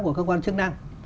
của cơ quan chức năng